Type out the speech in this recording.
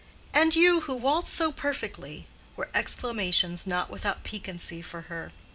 —"And you who waltz so perfectly!" were exclamations not without piquancy for her.